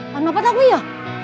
lu gak takut ya